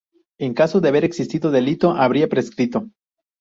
En caso de haber existido delito, habría prescrito.